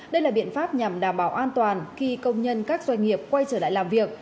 đây là biện pháp nhằm đảm bảo an toàn khi công nhân các doanh nghiệp quay trở lại làm việc